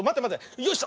よいしょ！